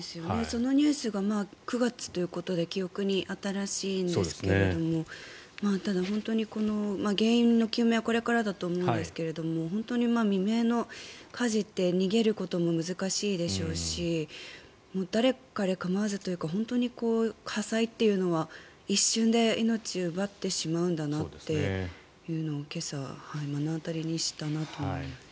そのニュースが９月ということで記憶に新しいんですけどもただ、本当に原因の究明はこれからだと思うんですが本当に未明の火事って逃げることも難しいでしょうし誰彼構わずというか火災というのは一瞬で命を奪ってしまうんだなっていうのを今朝、目の当たりにしたなと思います。